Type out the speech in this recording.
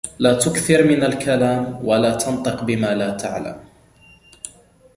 لَا تُكْثَرْ مِنَ الْكَلاَمِ ، وَلَا تَنْطِقْ بِمَا لَا تَعْلَمْ.